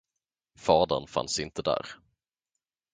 Fadern fanns inte där.